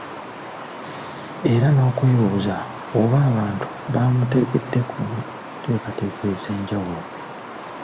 Era n’okwebuuza oba abantu bamutegedde ku nteekateeka ez’enjawulo.